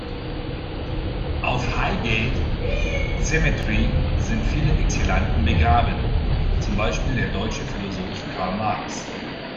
Auf Highgate Cemetery sind viele Exilanten begraben, zum Beispiel der deutsche Philosoph Karl Marx.